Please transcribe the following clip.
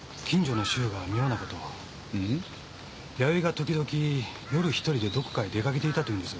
弥生が時々夜一人でどこかへ出かけていたというんです。